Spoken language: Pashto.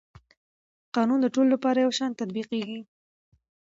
قانون د ټولو لپاره یو شان تطبیقېږي.